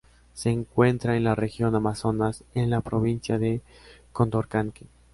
Se encuentra en la región Amazonas, en la provincia de Condorcanqui.